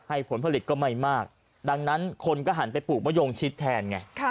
ผลผลิตก็ไม่มากดังนั้นคนก็หันไปปลูกมะยงชิดแทนไง